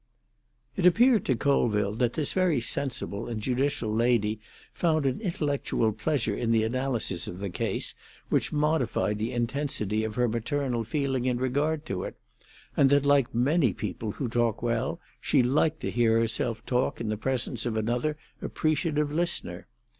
It appeared to Colville that this very sensible and judicial lady found an intellectual pleasure in the analysis of the case, which modified the intensity of her maternal feeling in regard to it, and that, like many people who talk well, she liked to hear herself talk in the presence of another appreciative listener.